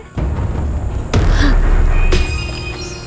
tidak ada yang bisa dihukum